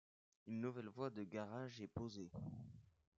Une nouvelle voie de garage est posée.